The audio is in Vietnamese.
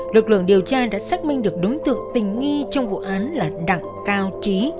lực lượng điều tra đã xác minh được đối tượng tình nghi trong vụ án là đặng cao trí